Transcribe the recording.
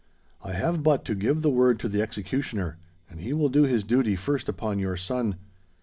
'I have but to give the word to the executioner, and he will do his duty first upon your son.